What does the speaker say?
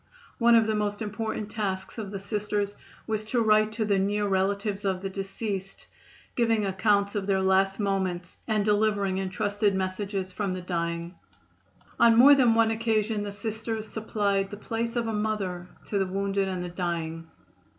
One of the most important tasks of the Sisters was to write to the near relatives of the deceased, giving accounts of their last moments and delivering entrusted messages from the dying. On more than one occasion the Sisters supplied the place of a mother to the wounded and the dying.